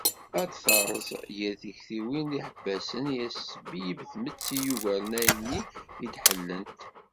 Ad terẓ yir tiktiwin d yiḥebbasen i as-tesbi-b tmetti yugar ayen i d-ḥellant.